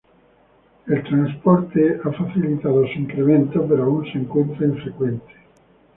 El transporte ha facilitado su incremento, pero aún se encuentra infrecuente.